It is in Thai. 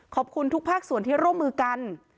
ขอบคุณทุกภาคส่วนที่ร่วมมือกัน